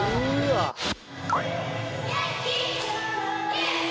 元気！